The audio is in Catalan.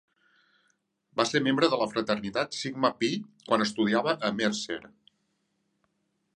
Va ser membre de la fraternitat Sigma Pi quan estudiava a Mercer.